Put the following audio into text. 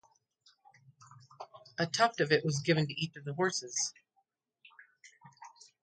A tuft of it was given to each of the horses.